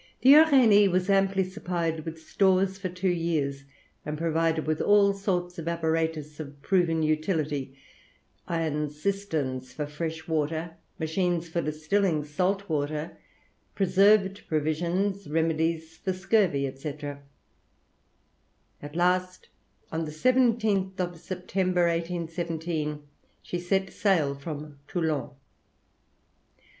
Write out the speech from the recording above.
The Uranie, amply supplied with stores for two years, and provided with all sorts of apparatus of proved utility, iron cisterns for fresh water, machines for distilling salt water, preserved provisions, remedies for scurvy, &c. At last, on the 17th of September, 1817, she set sail from Toulon.